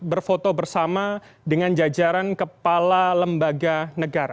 foto foto bersama dengan jajaran kepala lembaga negara